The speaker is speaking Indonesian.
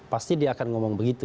pasti dia akan ngomong begitu